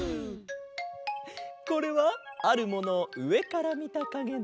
これはあるものをうえからみたかげだ。